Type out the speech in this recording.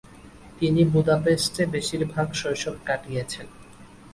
তিনি বুদাপেস্টে বেশির ভাগ শৈশব কাটিয়েছেন।